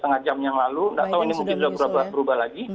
setengah jam yang lalu tidak tahu ini mungkin berubah ubah lagi